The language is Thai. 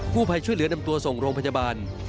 ผู้ภัยช่วยเหลือนำตัวส่งโรงพยาบาล